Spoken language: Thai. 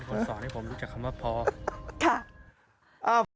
ผมสอนให้ผมรู้จักคำว่าพอ